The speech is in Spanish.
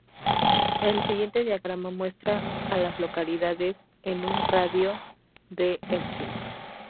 El siguiente diagrama muestra a las localidades en un radio de de Elkin.